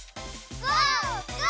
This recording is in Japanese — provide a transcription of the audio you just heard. ゴー！